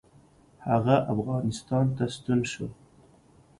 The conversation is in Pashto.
هغه افغانستان ته ستون شو.